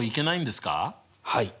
はい！